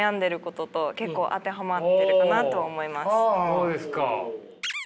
そうですか。